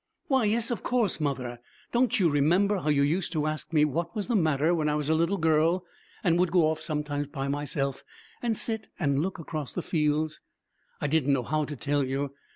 'Why, yes, of course, mother. Don't you remember how you used to ask me what was the matter when I was a little girl, and would go off sometimes by myself and sit and look across the fields? I didn't know how to tell you.